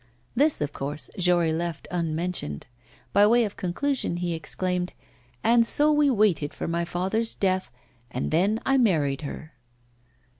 This, of course, Jory left unmentioned. By way of conclusion he exclaimed: 'And so we waited for my father's death, and then I married her.